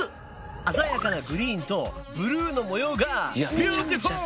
鮮やかなグリーンとブルーの模様がビューティフル！